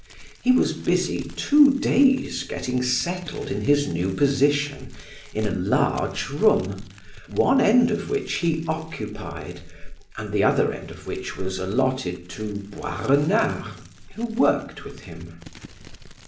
He was busy two days getting settled in his new position, in a large room, one end of which he occupied, and the other end of which was allotted to Boisrenard, who worked with him.